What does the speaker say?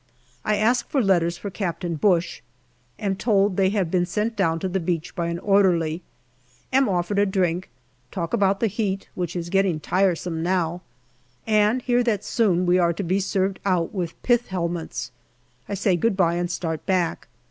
I ask for letters for Captain Bush; am told they have been sent down to the beach by an orderly ; am offered a drink, talk about the heat, which is getting tiresome now, and hear that soon we are to be served out with pith helmets. I say good bye and start back.